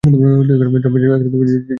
জম্পেশ আলাপ ছিল, রব।